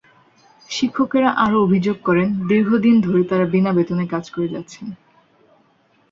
শিক্ষকেরা আরও অভিযোগ করেন, দীর্ঘদিন ধরে তাঁরা বিনা বেতনে কাজ করে যাচ্ছেন।